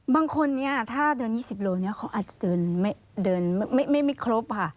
บางคนถ้าเดิน๒๐กิโลหรืออาจจะเดินไม่ครบค่ะ